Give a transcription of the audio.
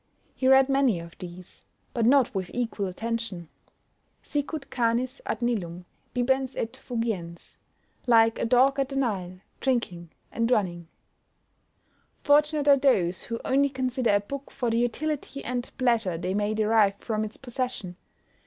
He read many of these, but not with equal attention "Sicut canis ad Nilum, bibens et fugiens;" like a dog at the Nile, drinking and running. Fortunate are those who only consider a book for the utility and pleasure they may derive from its possession.